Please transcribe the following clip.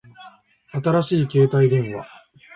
新しい携帯電話